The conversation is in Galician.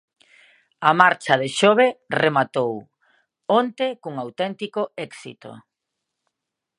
A marcha de Xove rematou, onte, cun auténtico éxito.